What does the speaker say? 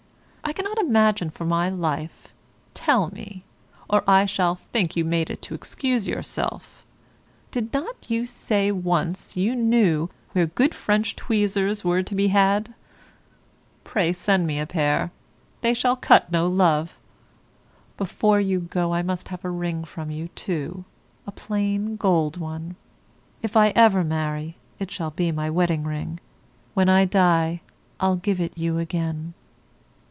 I cannot imagine for my life; tell me, or I shall think you made it to excuse yourself. Did not you say once you knew where good French tweezers were to be had? Pray send me a pair; they shall cut no love. Before you go I must have a ring from you, too, a plain gold one; if I ever marry it shall be my wedding ring; when I die I'll give it you again.